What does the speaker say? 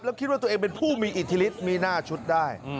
แล้วคิดว่าตัวเองเป็นผู้มีอิทธิฤทธิมีหน้าชุดได้